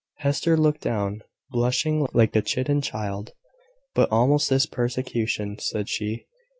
Hester looked down, blushing like a chidden child. "But about this persecution," said she.